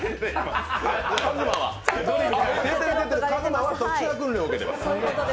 ＫＡＺＭＡは特殊な訓練を受けてます。